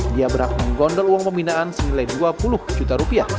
dia berhak menggondol uang pembinaan senilai dua puluh juta rupiah